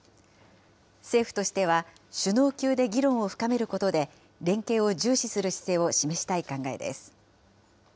政府としては、首脳級で議論を深めることで、連携を重視する姿勢を示したい考えです。